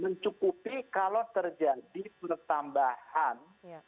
mencukupi kalau terjadi pertambahan